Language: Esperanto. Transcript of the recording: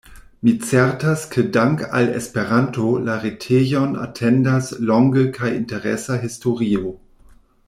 Mi certas, ke dank' al Esperanto la retejon atendas longa kaj interesa historio.